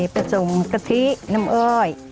ผสมกะทิน้ำอ้อย